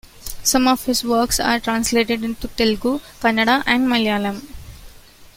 Some of his works are translated into Telugu, Kannada and Malayalam.